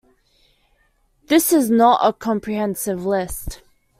"This is not a comprehensive list"